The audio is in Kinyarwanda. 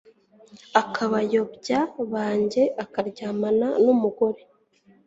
akabayobya banjye akaryamana n umugore